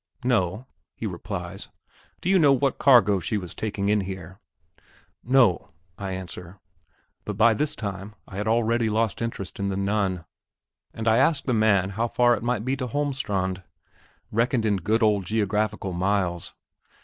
"No," he replies. "Do you know what cargo she was taking in here?" "No," I answer. But by this time I had already lost interest in the Nun, and I asked the man how far it might be to Holmestrand, reckoned in good old geographical miles.